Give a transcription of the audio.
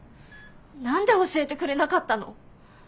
何で教えてくれなかったの？